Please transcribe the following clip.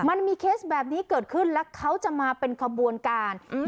มันมีเคสแบบนี้เกิดขึ้นแล้วเขาจะมาเป็นขบวนการอืม